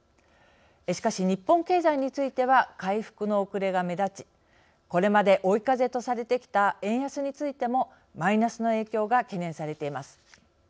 しかし、日本経済については回復の遅れが目立ちこれまで追い風とされてきた円安についてもマイナスの影響が懸念されています。